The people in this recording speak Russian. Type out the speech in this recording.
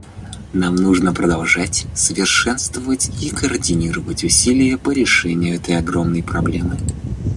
Нам нужно продолжать совершенствовать и координировать усилия по решению этой огромной проблемы.